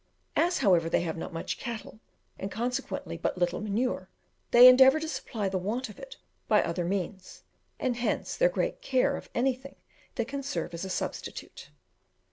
As, however, they have not much cattle, and consequently but little manure, they endeavour to supply the want of it by other means, and hence their great care of anything that can serve as a substitute.